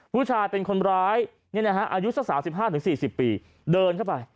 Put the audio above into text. ผู้ชายเป็นคนร้ายอายุสัก๓๕๔๐ปีเดินเข้าไป